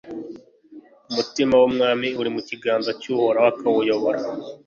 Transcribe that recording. Umutima w’umwami uri mu kiganza cy’Uhoraho akawuyobora